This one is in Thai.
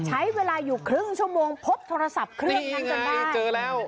ใช้เวลาอยู่ครึ่งชั่วโมงพบโทรศัพท์เครื่องนั้นจนได้เจอแล้ว